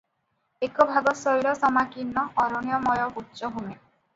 ଏକ ଭାଗ ଶୈଳସମାକୀର୍ଣ୍ଣ ଅରଣ୍ୟମୟ ଉଚ୍ଚଭୂମି ।